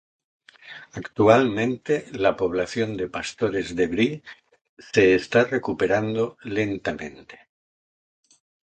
Actualmente la población de Pastores de Brie se está recuperando lentamente.